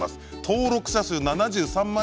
登録者数７３万